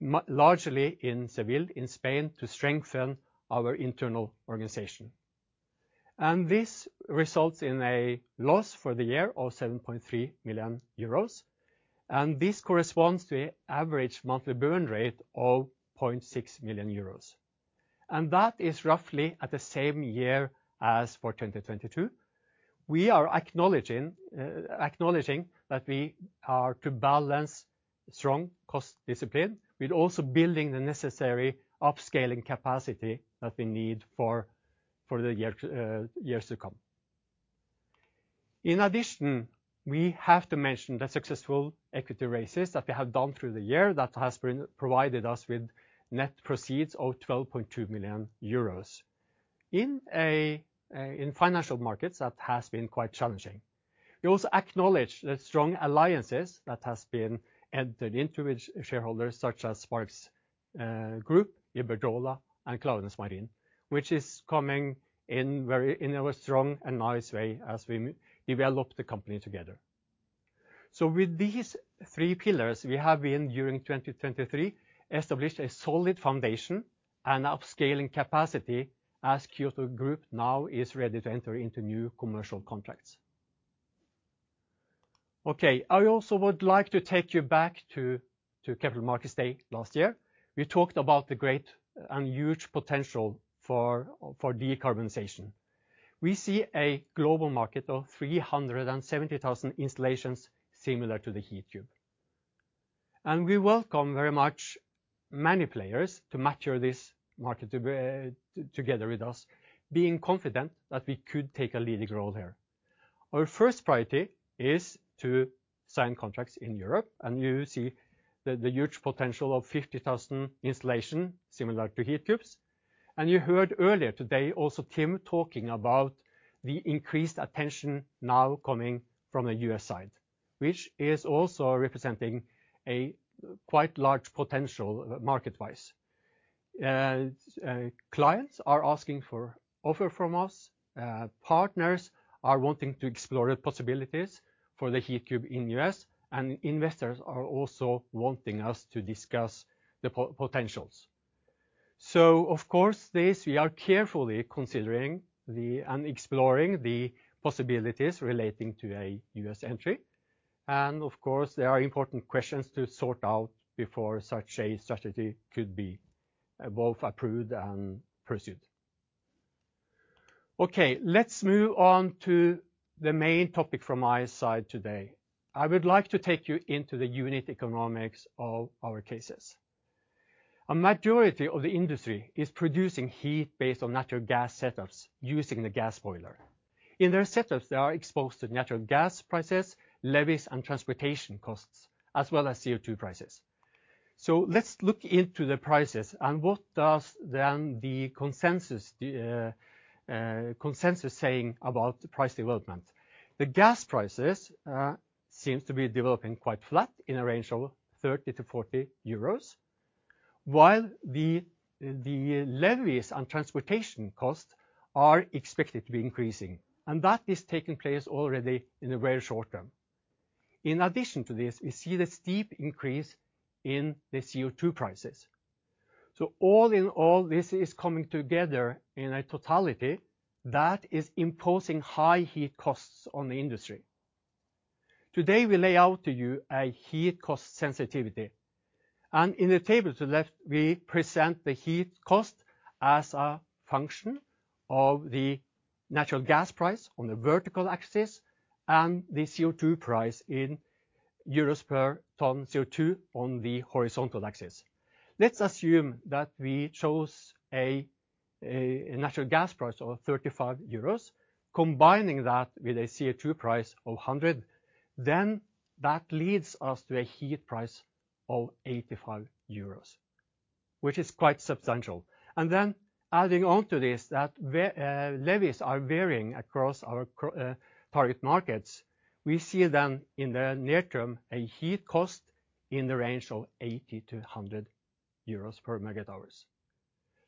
largely in Seville, in Spain, to strengthen our internal organization. This results in a loss for the year of 7.3 million euros. This corresponds to an average monthly burn rate of 0.6 million euros. That is roughly at the same year as for 2022. We are acknowledging that we are to balance strong cost discipline with also building the necessary upscaling capacity that we need for the years to come. In addition, we have to mention the successful equity raises that we have done through the year that has provided us with net proceeds of 12.2 million euros in financial markets. That has been quite challenging. We also acknowledge the strong alliances that have been entered into with shareholders such as Spirax Group, Iberdrola, and Klaveness Marine, which is coming in very strong and nice way as we develop the company together. So with these three pillars, we have, during 2023, established a solid foundation and upscaling capacity as Kyoto Group now is ready to enter into new commercial contracts. OK. I also would like to take you back to Capital Markets Day last year. We talked about the great and huge potential for decarbonization. We see a global market of 370,000 installations similar to the Heatcube. We welcome very much many players to mature this market together with us, being confident that we could take a leading role here. Our first priority is to sign contracts in Europe. You see the huge potential of 50,000 installations similar to Heatcubes. You heard earlier today also Tim talking about the increased attention now coming from the U.S. side, which is also representing a quite large potential market-wise. Clients are asking for offers from us. Partners are wanting to explore the possibilities for the Heatcube in the U.S. Investors are also wanting us to discuss the potentials. Of course, we are carefully considering and exploring the possibilities relating to a U.S. entry. Of course, there are important questions to sort out before such a strategy could be both approved and pursued. OK. Let's move on to the main topic from my side today. I would like to take you into the unit economics of our cases. A majority of the industry is producing heat based on natural gas setups using the gas boiler. In their setups, they are exposed to natural gas prices, levies, and transportation costs, as well as CO2 prices. Let's look into the prices. What does then the consensus say about price development? The gas prices seem to be developing quite flat in a range of 30-40 euros, while the levies and transportation costs are expected to be increasing. That is taking place already in a very short term. In addition to this, we see this steep increase in the CO2 prices. So all in all, this is coming together in a totality that is imposing high heat costs on the industry. Today, we lay out to you a heat cost sensitivity. In the table to the left, we present the heat cost as a function of the natural gas price on the vertical axis and the CO2 price in EUR per ton CO2 on the horizontal axis. Let's assume that we chose a natural gas price of 35 euros. Combining that with a CO2 price of 100, then that leads us to a heat price of 85 euros, which is quite substantial. Then adding on to this, that levies are varying across our target markets. We see then in the near term a heat cost in the range of 80-100 euros per MWh.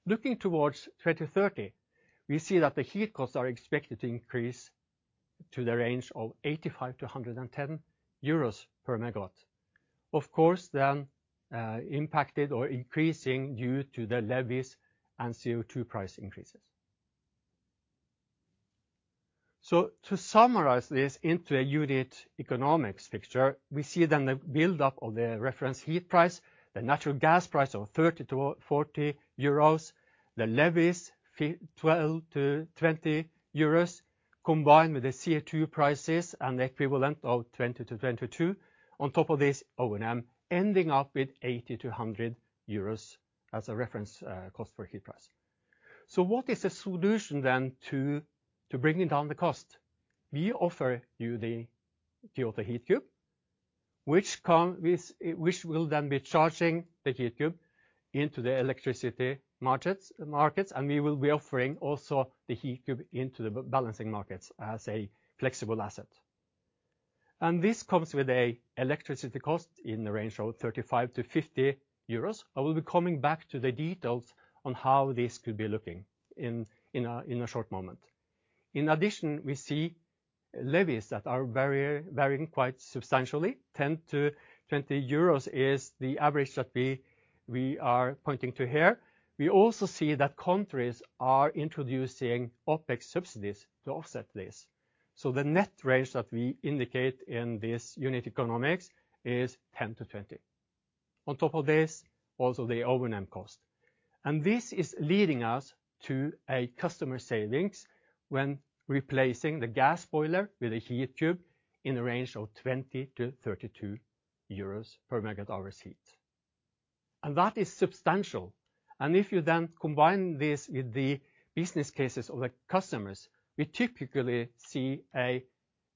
Looking towards 2030, we see that the heat costs are expected to increase to the range of 85-110 euros per MW, of course, then impacted or increasing due to the levies and CO2 price increases. To summarize this into a unit economics picture, we see then the buildup of the reference heat price, the natural gas price of 30-40 euros, the levies, 12-20 euros, combined with the CO2 prices and the equivalent of 20-22, on top of this O&M ending up with 80-100 euros as a reference cost for heat price. So what is the solution then to bringing down the cost? We offer you the Kyoto Heatcube, which will then be charging the Heatcube into the electricity markets. We will be offering also the Heatcube into the balancing markets as a flexible asset. This comes with an electricity cost in the range of 35-50 euros. I will be coming back to the details on how this could be looking in a short moment. In addition, we see levies that are varying quite substantially. 10-20 euros is the average that we are pointing to here. We also see that countries are introducing OPEX subsidies to offset this. The net range that we indicate in this unit economics is 10-20, on top of this, also the O&M cost. That is leading us to customer savings when replacing the gas boiler with a Heatcube in the range of 20-32 euros per MWh heat. That is substantial. If you then combine this with the business cases of the customers, we typically see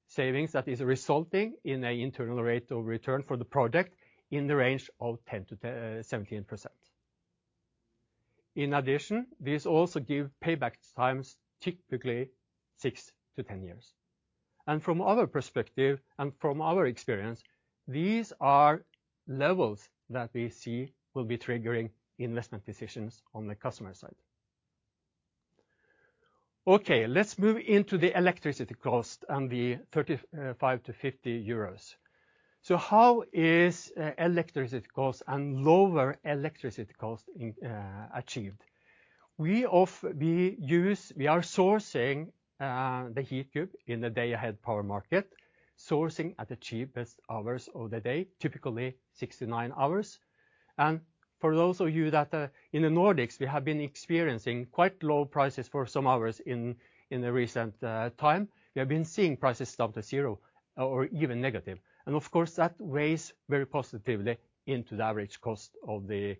savings that are resulting in an internal rate of return for the project in the range of 10%-17%. In addition, these also give payback times typically six to 10 years. And from our perspective and from our experience, these are levels that we see will be triggering investment decisions on the customer side. OK. Let's move into the electricity cost and the 35-50 euros. So how are electricity costs and lower electricity costs achieved? We are sourcing the Heatcube in the day-ahead power market, sourcing at the cheapest hours of the day, typically 69 hours. And for those of you that are in the Nordics, we have been experiencing quite low prices for some hours in the recent time. We have been seeing prices plunge to zero or even negative. Of course, that weighs very positively into the average cost of the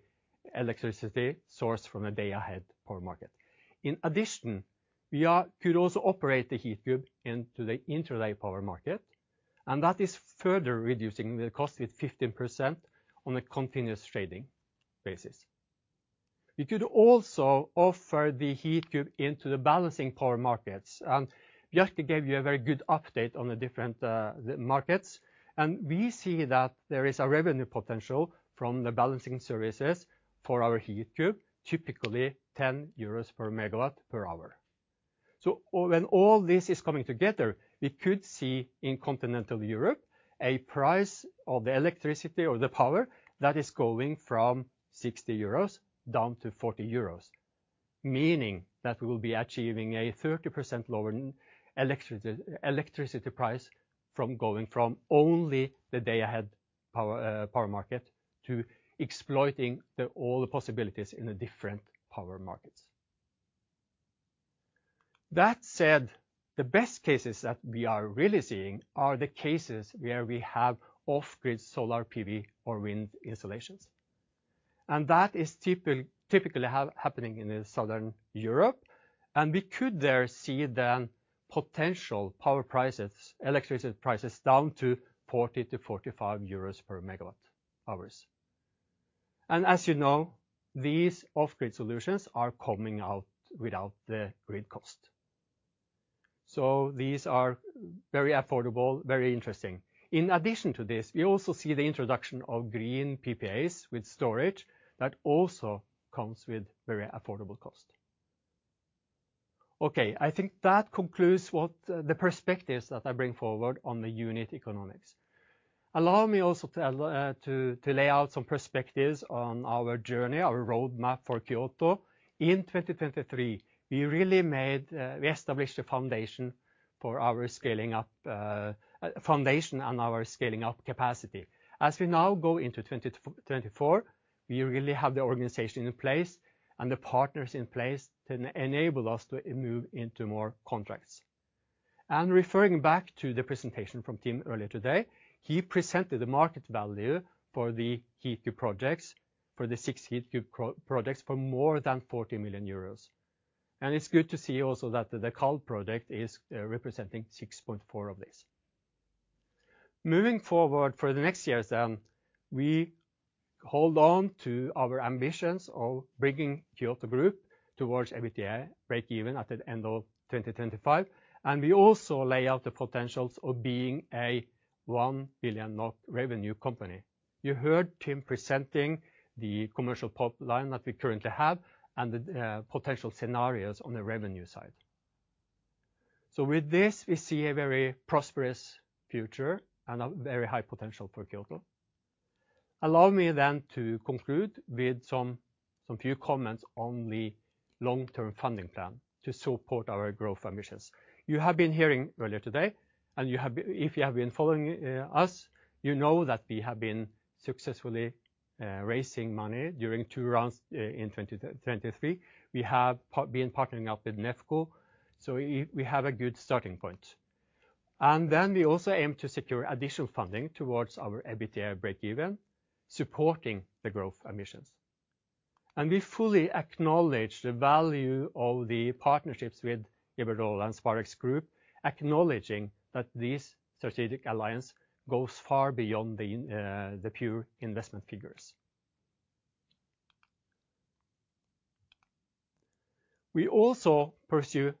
electricity source from the day-ahead power market. In addition, we could also operate the Heatcube in the inter-day power market. That is further reducing the cost with 15% on a continuous trading basis. We could also offer the Heatcube into the balancing power markets. Bjarke gave you a very good update on the different markets. We see that there is a revenue potential from the balancing services for our Heatcube, typically 10 euros per MW per hour. So when all this is coming together, we could see in continental Europe a price of the electricity or the power that is going from 60 euros down to 40 euros, meaning that we will be achieving a 30% lower electricity price from going from only the day-ahead power market to exploiting all the possibilities in the different power markets. That said, the best cases that we are really seeing are the cases where we have off-grid solar PV or wind installations. And that is typically happening in southern Europe. And we could there see then potential power prices, electricity prices down to 40-45 euros per MWh. And as you know, these off-grid solutions are coming out without the grid cost. So these are very affordable, very interesting. In addition to this, we also see the introduction of green PPAs with storage that also comes with very affordable cost. OK. I think that concludes what the perspectives that I bring forward on the unit economics. Allow me also to lay out some perspectives on our journey, our roadmap for Kyoto. In 2023, we really established the foundation for our scaling up and our scaling up capacity. As we now go into 2024, we really have the organization in place and the partners in place to enable us to move into more contracts. Referring back to the presentation from Tim earlier today, he presented the market value for the Heatcube projects, for the six Heatcube projects, for more than 40 million euros. And it's good to see also that the Kall project is representing 6.4 million of these. Moving forward for the next years then, we hold on to our ambitions of bringing Kyoto Group towards EBITDA break-even at the end of 2025. We also lay out the potentials of being a $1 billion revenue company. You heard Tim presenting the commercial pipeline that we currently have and the potential scenarios on the revenue side. With this, we see a very prosperous future and a very high potential for Kyoto. Allow me to conclude with some few comments on the long-term funding plan to support our growth ambitions. You have been hearing earlier today. If you have been following us, you know that we have been successfully raising money during two rounds in 2023. We have been partnering up with NEFCO. We have a good starting point. Then we also aim to secure additional funding towards our EBITDA break-even, supporting the growth ambitions. We fully acknowledge the value of the partnerships with Iberdrola and Spirax Group, acknowledging that this strategic alliance goes far beyond the pure investment figures. We also pursue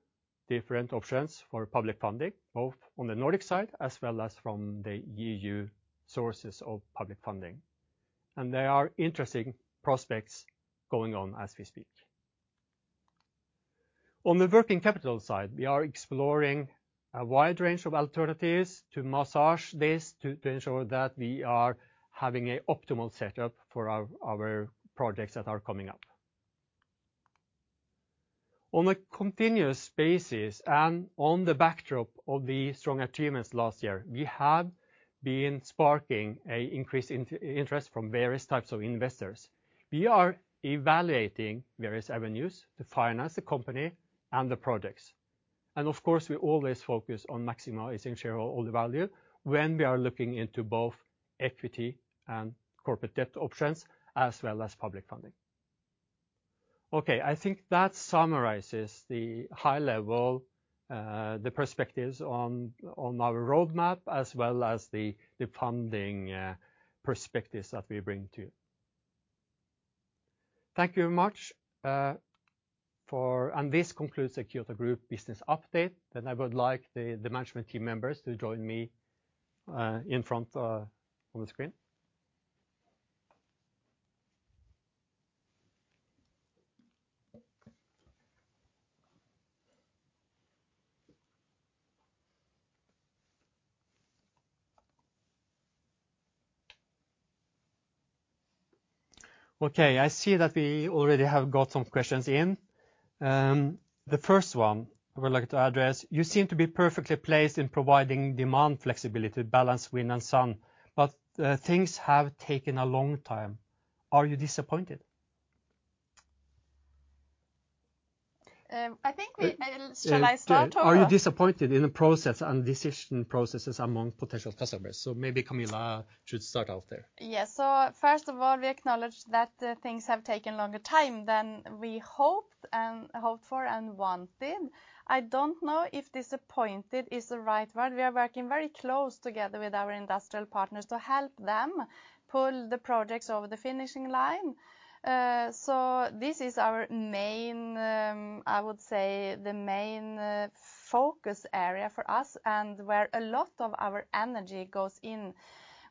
different options for public funding, both on the Nordic side as well as from the EU sources of public funding. There are interesting prospects going on as we speak. On the working capital side, we are exploring a wide range of alternatives to massage this to ensure that we are having an optimal setup for our projects that are coming up. On a continuous basis and on the backdrop of the strong achievements last year, we have been sparking an increased interest from various types of investors. We are evaluating various avenues to finance the company and the projects. And of course, we always focus on maximizing shareholder value when we are looking into both equity and corporate debt options as well as public funding. OK. I think that summarizes the high-level perspectives on our roadmap as well as the funding perspectives that we bring to you. Thank you very much. This concludes the Kyoto Group Business Update. I would like the management team members to join me in front on the screen. OK. I see that we already have got some questions in. The first one I would like to address: "You seem to be perfectly placed in providing demand flexibility, balance wind and sun. But things have taken a long time. Are you disappointed?" I think we shall I start or? Are you disappointed in the process and decision processes among potential customers? So maybe Camilla should start out there. Yes. So first of all, we acknowledge that things have taken longer time than we hoped for and wanted. I don't know if disappointed is the right word. We are working very close together with our industrial partners to help them pull the projects over the finishing line. So this is our main, I would say, the main focus area for us and where a lot of our energy goes in.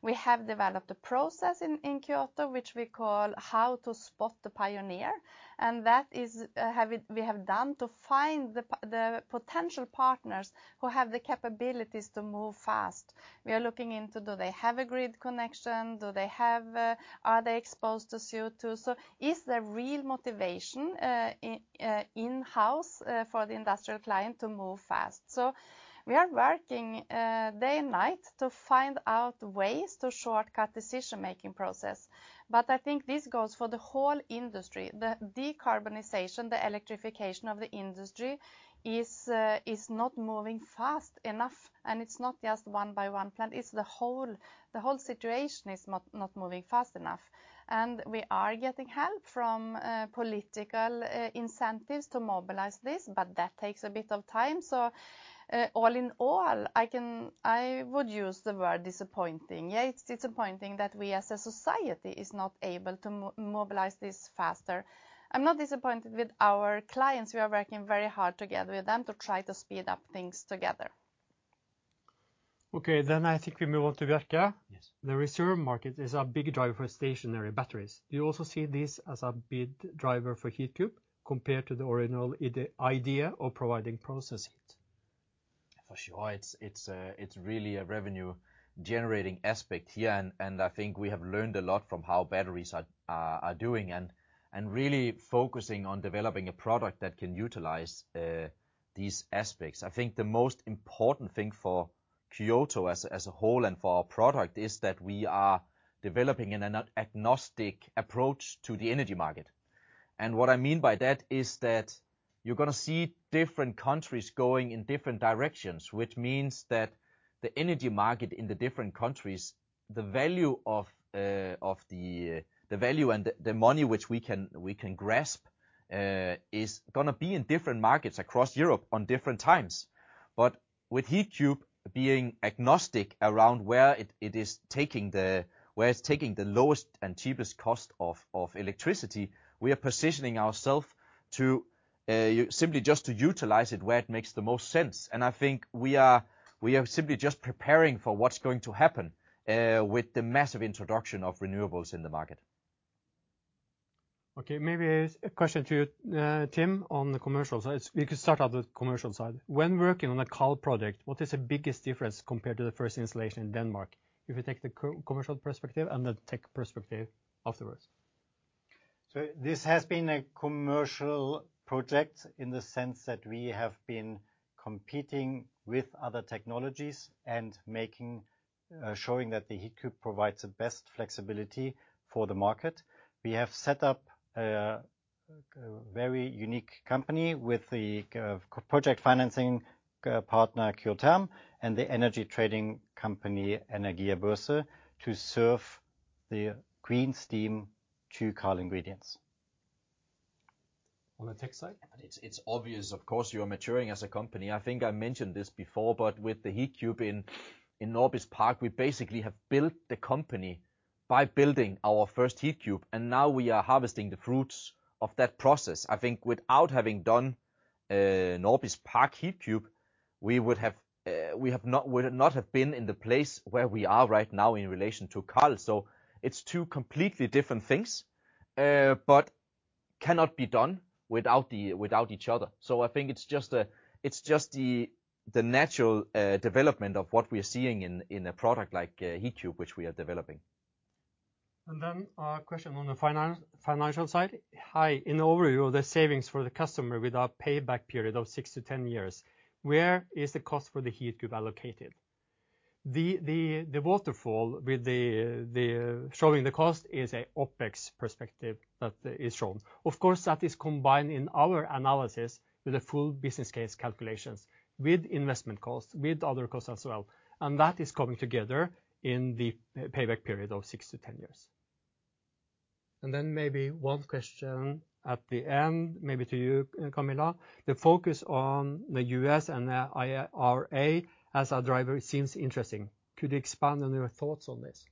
We have developed a process in Kyoto, which we call How to Spot the Pioneer. And that is what we have done to find the potential partners who have the capabilities to move fast. We are looking into: do they have a grid connection? Are they exposed to CO2? So is there real motivation in-house for the industrial client to move fast? So we are working day and night to find out ways to shortcut decision-making process. But I think this goes for the whole industry. The decarbonization, the electrification of the industry is not moving fast enough. And it's not just one-by-one plant. It's the whole situation is not moving fast enough. And we are getting help from political incentives to mobilize this. But that takes a bit of time. So all in all, I would use the word disappointing. Yes, it's disappointing that we, as a society, are not able to mobilize this faster. I'm not disappointed with our clients. We are working very hard together with them to try to speed up things together. OK. Then I think we move on to Bjarke. The reserve market is a big driver for stationary batteries. Do you also see this as a big driver for Heatcube compared to the original idea of providing process heat? For sure. It's really a revenue-generating aspect here. I think we have learned a lot from how batteries are doing and really focusing on developing a product that can utilize these aspects. I think the most important thing for Kyoto as a whole and for our product is that we are developing an agnostic approach to the energy market. And what I mean by that is that you're going to see different countries going in different directions, which means that the energy market in the different countries, the value of the value and the money which we can grasp is going to be in different markets across Europe on different times. But with Heatcube being agnostic around where it's taking the lowest and cheapest cost of electricity, we are positioning ourselves to simply just utilize it where it makes the most sense. And I think we are simply just preparing for what's going to happen with the massive introduction of renewables in the market. OK. Maybe a question to you, Tim, on the commercial side. We could start out with the commercial side. When working on a Kall project, what is the biggest difference compared to the first installation in Denmark, if we take the commercial perspective and the tech perspective afterwards? So this has been a commercial project in the sense that we have been competing with other technologies and showing that the Heatcube provides the best flexibility for the market. We have set up a very unique company with the project financing partner Kyotherm and the energy trading company Energiabörze to serve the green steam to Kall Ingredients. On the tech side? It's obvious, of course, you are maturing as a company. I think I mentioned this before. But with the Heatcube in Norbis Park, we basically have built the company by building our first Heatcube. And now we are harvesting the fruits of that process. I think without having done Norbis Park Heatcube, we would not have been in the place where we are right now in relation to Kall. So it's two completely different things but cannot be done without each other. So I think it's just the natural development of what we are seeing in a product like Heatcube, which we are developing. And then a question on the financial side. Hi. In the overview of the savings for the customer with a payback period of six to 10 years, where is the cost for the Heatcube allocated? The waterfall with showing the cost is an OPEX perspective that is shown. Of course, that is combined in our analysis with the full business case calculations, with investment costs, with other costs as well. And that is coming together in the payback period of six to 10 years. And then maybe one question at the end, maybe to you, Camilla. The focus on the U.S. and the IRA as a driver seems interesting. Could you expand on your thoughts on this?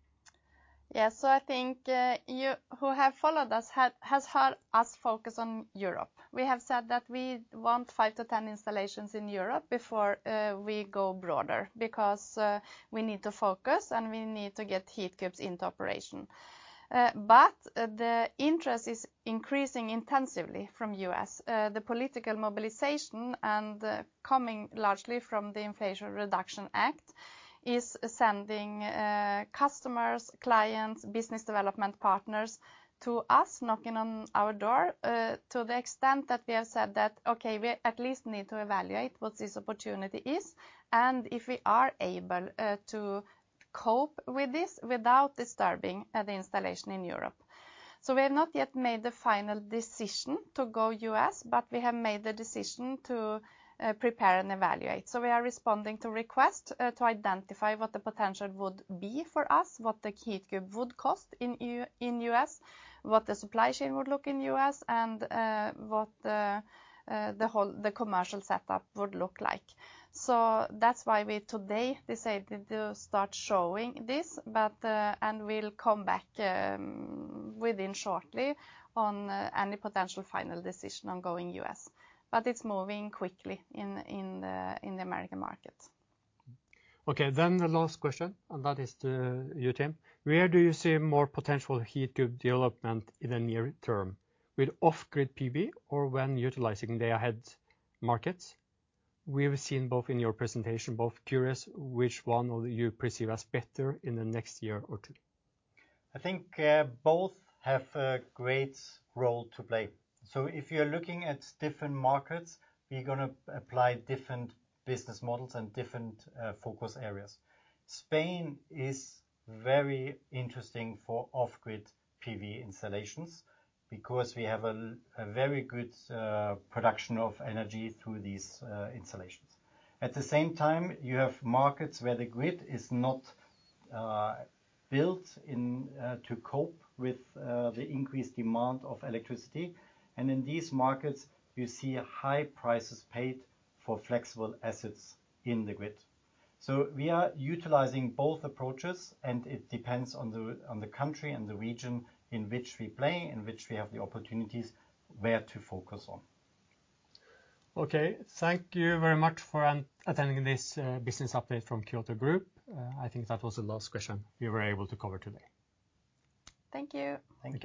Yes. So I think you who have followed us have heard us focus on Europe. We have said that we want 5-10 installations in Europe before we go broader because we need to focus and we need to get Heatcubes into operation. But the interest is increasing intensively from the U.S. The political mobilization, coming largely from the Inflation Reduction Act, is sending customers, clients, business development partners to us knocking on our door to the extent that we have said that, OK, we at least need to evaluate what this opportunity is and if we are able to cope with this without disturbing the installation in Europe. We have not yet made the final decision to go US. But we have made the decision to prepare and evaluate. We are responding to requests to identify what the potential would be for us, what the Heatcube would cost in the US, what the supply chain would look in the US, and what the whole commercial setup would look like. That's why we, today, decided to start showing this and will come back within shortly on any potential final decision on going US. But it's moving quickly in the American market. OK. Then the last question. And that is to you, Tim. Where do you see more potential Heatcube development in the near term, with off-grid PV or when utilizing ancillary markets? We've seen both in your presentation, both curious which one you perceive as better in the next year or two. I think both have a great role to play. So if you're looking at different markets, we're going to apply different business models and different focus areas. Spain is very interesting for off-grid PV installations because we have a very good production of energy through these installations. At the same time, you have markets where the grid is not built to cope with the increased demand of electricity. And in these markets, you see high prices paid for flexible assets in the grid. So we are utilizing both approaches. It depends on the country and the region in which we play, in which we have the opportunities where to focus on. OK. Thank you very much for attending this Business Update from Kyoto Group. I think that was the last question we were able to cover today. Thank you. Thank you.